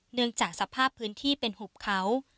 เนื่องจากสภาพพื้นที่เป็นหุบเขา